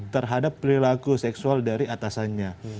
terhadap perilaku seksual dari atasannya